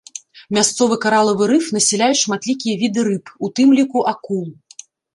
Мясцовы каралавы рыф насяляюць шматлікія віды рыб, у тым ліку акул.